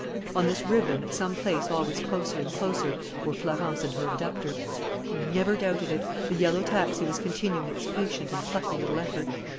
On this ribbon, at some place always closer and closer, were Florence and her abductor! He never doubted it! The yellow taxi was continuing its patient and plucky little effort.